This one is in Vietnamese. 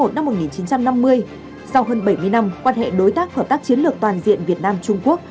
tám tháng một năm một nghìn chín trăm năm mươi sau hơn bảy mươi năm quan hệ đối tác hợp tác chiến lược toàn diện việt nam trung quốc